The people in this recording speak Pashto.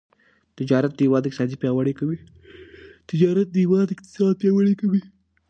تجارت د هیواد اقتصاد پیاوړی کوي.